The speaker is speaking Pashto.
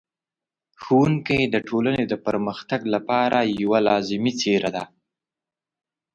ښوونکی د ټولنې د پرمختګ لپاره یوه لازمي څېره ده.